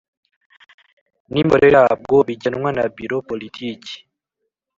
N imikorere yabwo bigenwa na biro politiki